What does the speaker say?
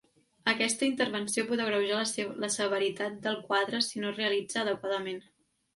Aquesta intervenció pot agreujar la severitat del quadre si no es realitza adequadament.